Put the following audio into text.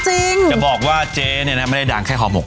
จะบอกว่าเจ๊เนี่ยนะไม่ได้ดังแค่ห่อหมก